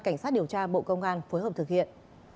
cảnh sát điều tra bộ công an phối hợp thực hiện